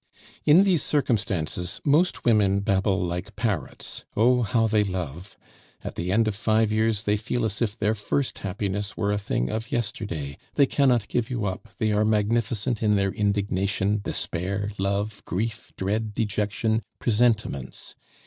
In these circumstances, most women babble like parrots. Oh! how they love! At the end of five years they feel as if their first happiness were a thing of yesterday, they cannot give you up, they are magnificent in their indignation, despair, love, grief, dread, dejection, presentiments.